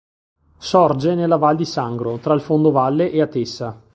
Sorge nella Val di Sangro tra il Fondo Valle e Atessa.